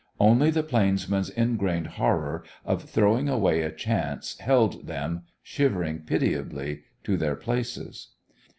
Only the plainsman's ingrained horror of throwing away a chance held them, shivering pitiably, to their places.